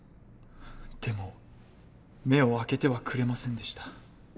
でも目を開けてはくれませんでした。